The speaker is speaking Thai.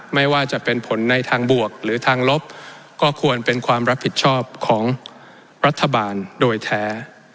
ไม่ว่าจะเป็นผลในทางบวกหรือทางลบก็ควรเป็นความรับผิดชอบของรัฐบาลโดยแท้